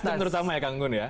terutama ya kang gun ya